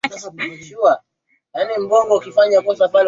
kuna nchi zingine mbalimbali zilizokuwa miongoni